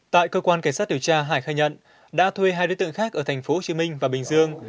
tại cơ quan cảnh sát điều tra hải khai nhận đã thuê hai đối tượng khác ở thành phố hồ chí minh và bình dương